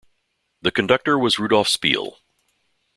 The conductor was Rudolph Speil.